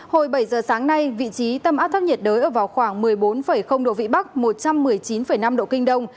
hồi bảy giờ sáng nay vị trí tâm áp thấp nhiệt đới ở vào khoảng một mươi bốn độ vĩ bắc một trăm một mươi chín năm độ kinh đông